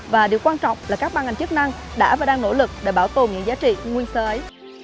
và điều quan trọng là các ban ngành chức năng đã và đang nỗ lực để bảo tồn những giá trị nguyên sơ ấy